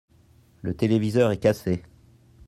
Le téléviseur est cassé.